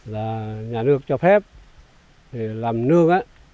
là nhà nước cho phép để làm nước